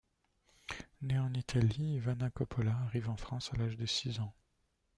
Née en Italie, Ivana Coppola arrive en France à l'âge de six ans.